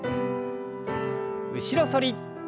後ろ反り。